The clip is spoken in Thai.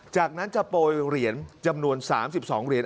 จากนั้นจะโปรยเหรียญจำนวน๓๒เหรียญ